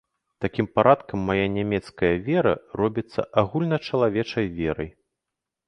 Такім парадкам мая нямецкая вера робіцца агульначалавечай верай.